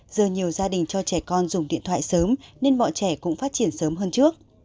giờ nhiều gia đình cho trẻ con dùng điện thoại sớm nên mọi trẻ cũng phát triển sớm hơn trước